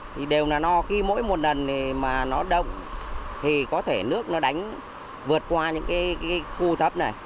thì đều là no khi mỗi một lần mà nó đông thì có thể nước nó đánh vượt qua những cái khu thấp này